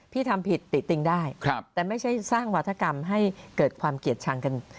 ทำผิดติดติติงได้แต่ไม่ใช่สร้างวาธกรรมให้เกิดความเกลียดชังกัน